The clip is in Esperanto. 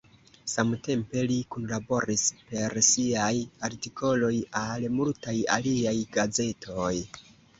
Samtempe li kunlaboris per siaj artikoloj al multaj aliaj gazetoj.